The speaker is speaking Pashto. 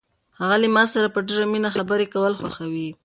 هغه له ما سره په ډېرې مینه خبرې کول خوښوي.